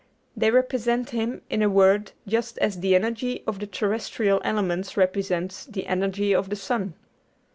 They represent Him, in a word, just as the energy of the terrestrial elements represents the energy of the sun.